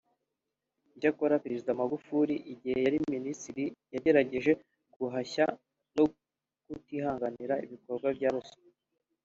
Icyakora Perezida Magufuli igihe yari Minisitiri yagerageje guhashya no kutihanganira ibikorwa bya ruswa